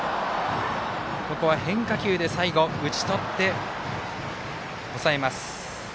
ここは変化球で最後打ち取って抑えます。